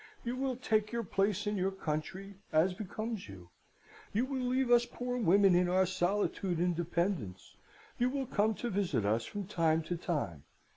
You will take your place in your country, as becomes you. You will leave us poor women in our solitude and dependence. You will come to visit us from time to time.